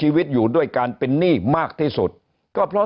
หนี้ครัวเรือนก็คือชาวบ้านเราเป็นหนี้มากกว่าทุกยุคที่ผ่านมาครับ